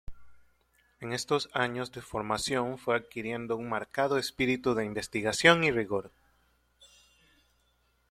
En estos años de formación fue adquiriendo un marcado espíritu de investigación y rigor.